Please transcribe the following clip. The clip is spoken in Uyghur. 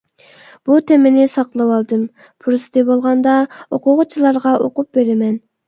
بۇ تېمىنى ساقلىۋالدىم، پۇرسىتى بولغاندا ئوقۇغۇچىلارغا ئوقۇپ بېرىمەن.